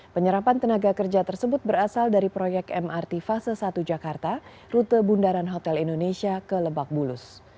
penyerapan tenaga kerja tersebut berasal dari proyek mrt fase satu jakarta rute bundaran hotel indonesia ke lebak bulus